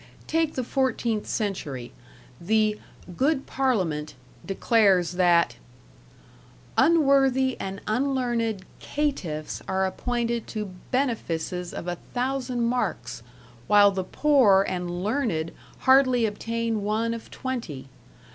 Take the fourteenth century; the "Good Parliament" declares that Unworthy and unlearned caitiffs are appointed to benefices of a thousand marks, while the poor and learned hardly obtain one of twenty.